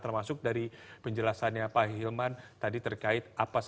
termasuk dari penjelasannya pak hilman tadi terkait apa saja sebenarnya